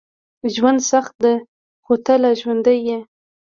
ژوند سخت ده، خو ته لا ژوندی یې.